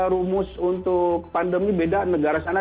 rumus untuk pandemi beda negara sana